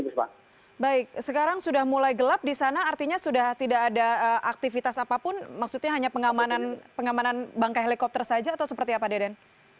baik sekarang sudah mulai gelap di sana artinya sudah tidak ada aktivitas apapun maksudnya hanya pengamanan bangkai helikopter saja atau seperti apa deden